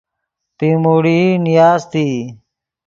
پیموڑئی نیاستئی